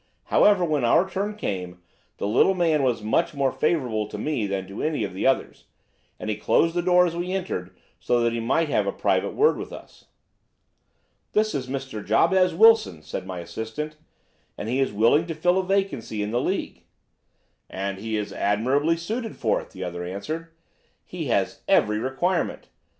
However, when our turn came the little man was much more favourable to me than to any of the others, and he closed the door as we entered, so that he might have a private word with us. "'This is Mr. Jabez Wilson,' said my assistant, 'and he is willing to fill a vacancy in the League.' "'And he is admirably suited for it,' the other answered. 'He has every requirement.